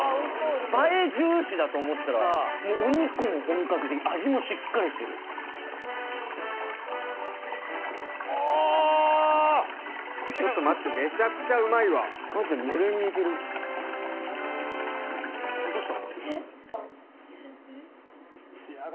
映え重視だと思ってたらお肉も本格的味もしっかりしてるちょっと待ってめちゃくちゃうまいわマジで無限にいけるどうした？